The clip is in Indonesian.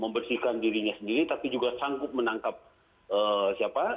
membersihkan dirinya sendiri tapi juga sanggup menangkap siapa